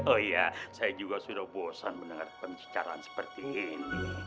oh iya saya juga sudah bosan mendengar pembicaraan seperti ini